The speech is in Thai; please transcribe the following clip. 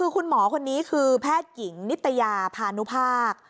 คุณหมอคนนี้คือแพทย์หญิงนิตยาพานุภาค